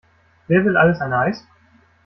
Wer will alles ein Eis?